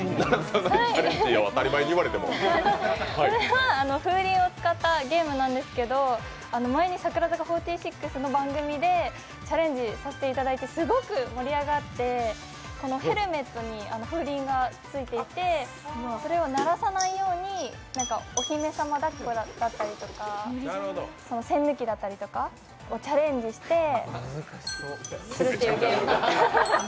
当たり前に言われても風鈴を使ったゲームなんですけど、前に櫻坂４６の番組でチャレンジさせていただいてすごく盛り上がって、ヘルメットに風鈴がついていて、それを鳴らさないようにお姫様だっこだったりとか栓抜きだったりとかにチャレンジしてというゲームで。